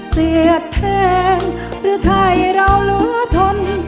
เสียดแทนหรือไทยเราเหลือทน